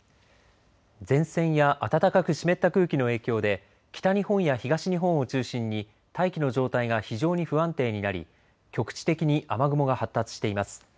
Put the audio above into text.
前線や暖かく湿った空気の影響で北日本や東日本を中心に大気の状態が非常に不安定になり局地的に雨雲が発達しています。